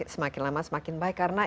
semakin lama semakin baik karena